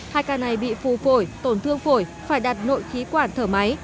hai ca này bị phù phổi tổn thương phổi phải đặt nội khí quản thở máy